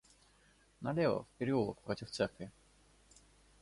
Налево, в переулок, против церкви!